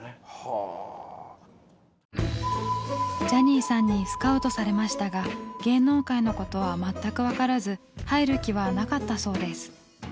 ジャニーさんにスカウトされましたが芸能界のことは全く分からず入る気はなかったそうです。